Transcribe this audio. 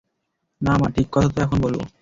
না মা, ঠিক কথা তো এখন বলব।